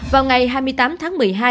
vào ngày hai mươi tám tháng một mươi